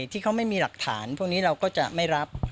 ที่เขาไม่มีหลักฐานพวกนี้เราก็จะไม่รับ